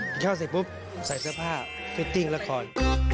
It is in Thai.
ชอบเสร็จปุ๊บใส่เสื้อผ้าฟิตติ้งละคร